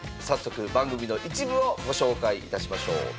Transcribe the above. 早速番組の一部をご紹介いたしましょう。